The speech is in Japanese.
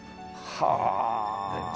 はあ！